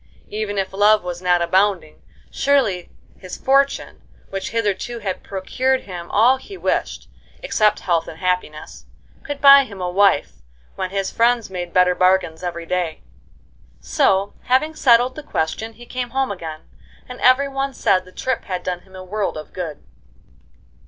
Even if love was not abounding, surely his fortune, which hitherto had procured him all he wished (except health and happiness) could buy him a wife, when his friends made better bargains every day. So, having settled the question, he came home again, and every one said the trip had done him a world of good.